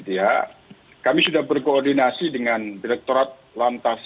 sempat namun care stopping kepelangan tiga kepolisiannya adalah